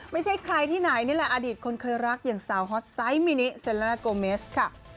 ไม่ใช่ใครที่ไหนนี่แหละอดีตคนเคยรักอย่างสาวฮอตไซส์มินิเซล่าโกเมสค่ะ